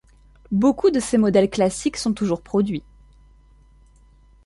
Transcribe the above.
Beaucoup de ses modèles classiques sont toujours produits.